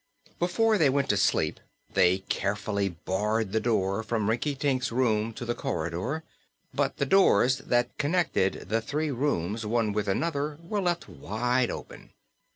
Before they went to sleep they carefully barred the door from Rinkitink's room to the corridor, but the doors that connected the three rooms one with another were left wide open.